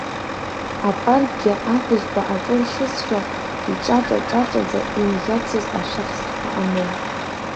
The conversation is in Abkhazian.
Апаркгьы аҳәызба аҿыршьызшәа иҿаҿа-ҿаҿаӡа имӷьацыз ашәахсҭақәа анын.